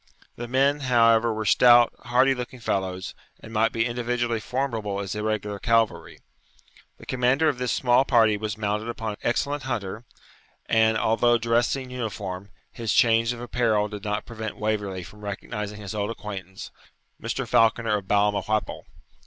The men, however, were stout, hardy looking fellows, and might be individually formidable as irregular cavalry. The commander of this small party was mounted upon an excellent hunter, and, although dressed in uniform, his change of apparel did not prevent Waverley from recognising his old acquaintance, Mr. Falconer of Balmawhapple.